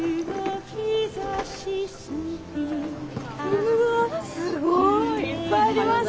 うわすごい！いっぱいありますね！